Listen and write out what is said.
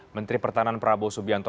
menteri pertahanan prabowo subianto